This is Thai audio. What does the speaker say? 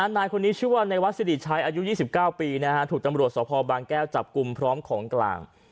นายคนนี้ชื่อว่าในวัดสิริชัยอายุ๒๙ปีถูกตำรวจสภบางแก้วจับกลุ่มพร้อมของกลาง